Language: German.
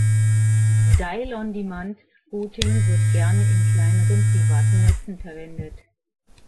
Dial-on-Demand-Routing wird gerne in kleineren privaten Netzen verwendet.